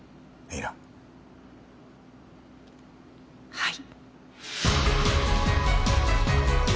はい。